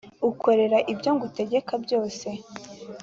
ukorera ibyo ngutegeka byose